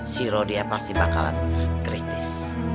si rodia pasti bakalan kritis